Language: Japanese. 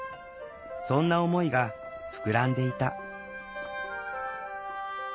そんな思いが膨らんでいた。